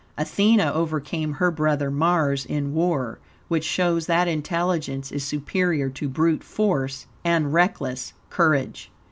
Athene overcame her brother Mars in war, which shows that intelligence is superior to brute force and reckless courage.